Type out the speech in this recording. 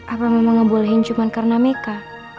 apa mama ngebolehin cuma karena meka